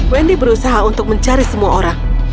wendy berusaha untuk mencari semua orang